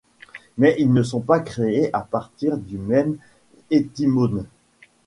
Mais ils ne sont pas créés a partir du même ethymone.